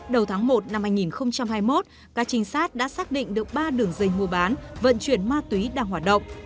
đầu tháng một năm hai nghìn hai mươi một các trinh sát đã xác định được ba đường dây mua bán vận chuyển ma túy đang hoạt động